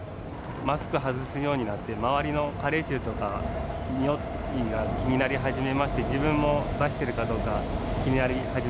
マスク外すようになって、周りの加齢臭とか、においが気になり始めまして、自分も出してるかどうか、気にな